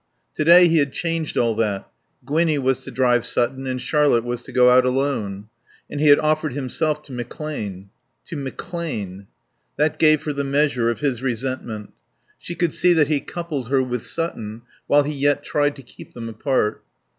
To day he had changed all that. Gwinnie was to drive Sutton and Charlotte was to go out alone. And he had offered himself to McClane. To McClane. That gave her the measure of his resentment. She could see that he coupled her with Sutton while he yet tried to keep them apart.